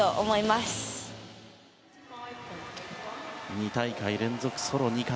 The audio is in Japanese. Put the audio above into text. ２大会連続ソロ２冠。